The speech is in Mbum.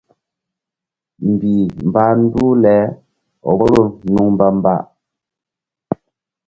Mbih mbah nduh le vboro nuŋ mbamba.